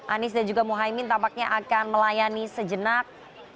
anies dan juga mohaimin tampaknya akan melayani sejenak